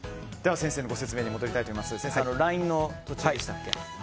先生、ラインの途中でしたっけ。